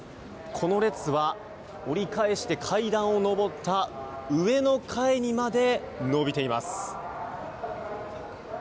この列は折り返して階段を上った上の階にまで延びています。